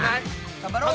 頑張ろう！